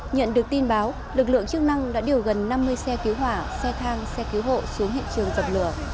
nhận được tin báo lực lượng chức năng đã điều gần năm mươi xe cứu hỏa xe thang xe cứu hộ xuống hiện trường dập lửa